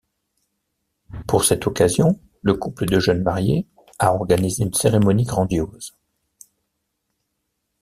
Pour cette occasion, le couple de jeunes mariés a organisé une cérémonie grandiose.